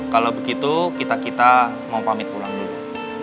kalau begitu kita kita mau pamit pulang dulu